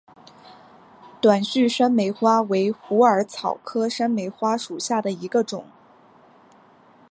短序山梅花为虎耳草科山梅花属下的一个种。